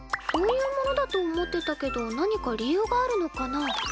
そういうものだと思ってたけど何か理由があるのかな？